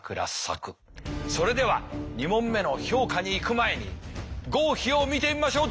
それでは２問目の評価にいく前に合否を見てみましょう。